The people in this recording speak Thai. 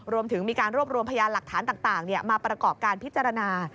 รวมถึงมีการรวบรวมพยานหลักฐานต่างมาประกอบการพิจารณา